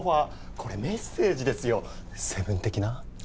これメッセージですよ『セブン』的な。